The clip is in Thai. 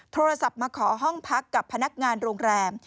โทรศัพท์มาขอห้องพักกับพนักงานโรงแรม